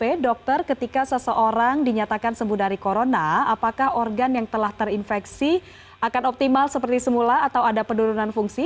jadi dokter ketika seseorang dinyatakan sembuh dari corona apakah organ yang telah terinfeksi akan optimal seperti semula atau ada penurunan fungsi